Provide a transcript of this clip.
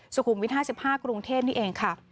สุขุมวิท๕๕กรุงเทพนี่เองค่ะ